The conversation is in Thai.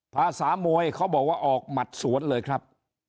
ภาษามวยเขาบอกว่าออกหมัดสวนเลยครับ